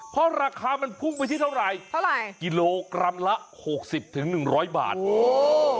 เพราะราคามันพุ่งไปที่เท่าไหร่กิโลกรัมละ๖๐๑๐๐บาทโอ้โห